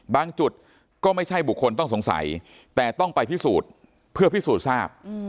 จุดก็ไม่ใช่บุคคลต้องสงสัยแต่ต้องไปพิสูจน์เพื่อพิสูจน์ทราบ